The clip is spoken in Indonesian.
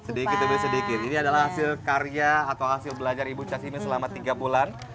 sedikit demi sedikit ini adalah hasil karya atau hasil belajar ibu cash ini selama tiga bulan